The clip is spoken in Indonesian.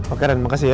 oke ren makasih ya